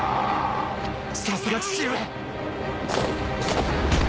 さすが父上！